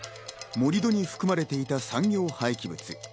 盛り土に含まれていた産業廃棄物。